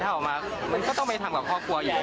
ถ้าออกมามันก็ต้องไปทำกับครอบครัวใหญ่